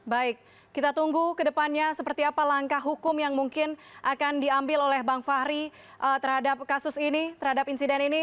baik kita tunggu ke depannya seperti apa langkah hukum yang mungkin akan diambil oleh bang fahri terhadap kasus ini terhadap insiden ini